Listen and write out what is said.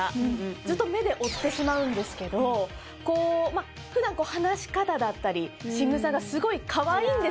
ずっと目で追ってしまうんですけど普段話し方だったりしぐさがすごいかわいいんですよ